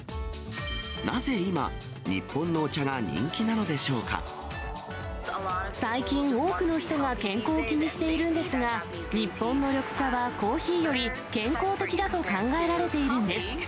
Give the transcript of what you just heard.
なぜ今、日本のお茶が人気なので最近、多くの人が健康を気にしているんですが、日本の緑茶は、コーヒーより健康的だと考えられているんです。